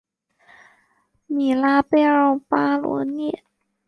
米拉贝奥巴罗涅。